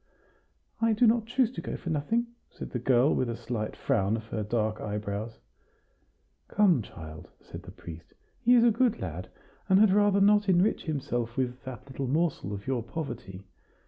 "I do not choose to go for nothing," said the girl, with a slight frown of her dark eyebrows. "Come, child," said the priest; "he is a good lad, and had rather not enrich himself with that little morsel of your poverty.